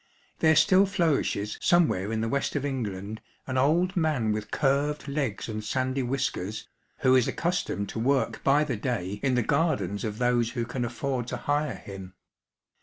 There still flourishes somewhere in the West of England an old man with curved legs and sandy whiskers, who is accustomed to work by the day in the gardens of those who can afford to hire him.